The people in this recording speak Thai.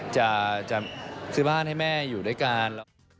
จะซื้อบ้านให้แม่อยู่ด้วยกัน